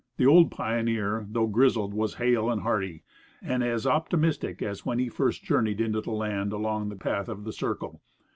The old pioneer, though grizzled, was hale and hearty, and as optimistic as when he first journeyed into the land along the path of the Circle.